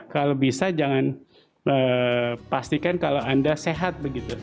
kalau bisa jangan pastikan kalau anda sehat begitu